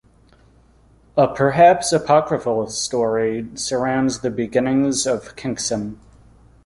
A perhaps apocryphal story surrounds the beginnings of Kincsem.